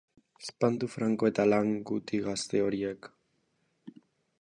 Espantu franko eta lan guti gazte horiek.